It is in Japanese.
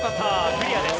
クリアです